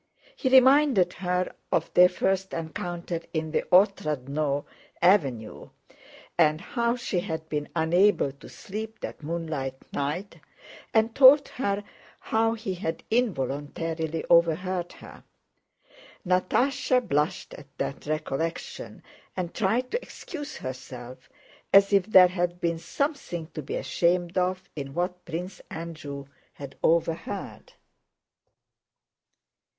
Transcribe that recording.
He reminded her of their first encounter in the Otrádnoe avenue, and how she had been unable to sleep that moonlight night, and told her how he had involuntarily overheard her. Natásha blushed at that recollection and tried to excuse herself, as if there had been something to be ashamed of in what Prince Andrew had overheard.